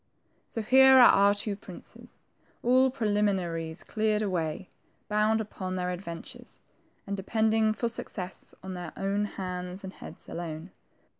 So here are our two princes, all preliminaries cleared away, bound upon their adventures, and depending for success on their own hands and heads alone.